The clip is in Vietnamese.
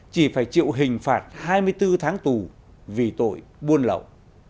chỉ phải chịu hình phạt hai mươi bốn tháng tù vì tội buôn lậu